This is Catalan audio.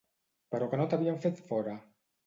Però que no t'havien fet fora?